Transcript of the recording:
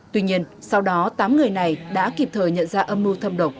tuy nhiên sau đó tám người này đã kịp thời nhận ra âm mưu thâm độc